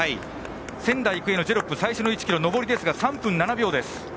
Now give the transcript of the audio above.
仙台育英のジェロップ最初の１ｋｍ、上りですが３分７秒です。